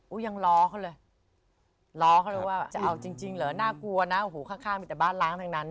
ยังล้อเขาเลยล้อเขาเลยว่าจะเอาจริงจริงเหรอน่ากลัวนะโอ้โหข้างมีแต่บ้านล้างทั้งนั้น